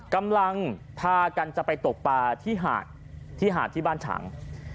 กำลังพากันจะไปตกปลาที่หาดที่หาดที่บ้านฉาง